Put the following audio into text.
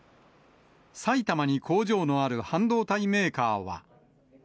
埼玉に工場のある半導体メーカーは。